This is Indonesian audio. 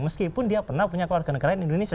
meskipun dia pernah punya warga negara indonesia